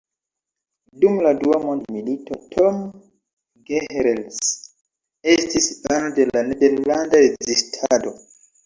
Dum la dua mondmilito, Tom Gehrels estis ano de la nederlanda rezistado.